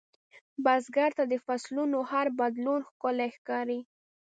بزګر ته د فصلونـو هر بدلون ښکلی ښکاري